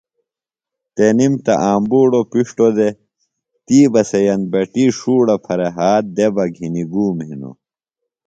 تنِم تہ آمبُوڑوۡ پِݜٹوۡ دےۡ تی بہ سے یمبٹی ݜوڑہ پھرےۡ ہات دےۡ بہ گِھنیۡ گُوم ہِنوۡ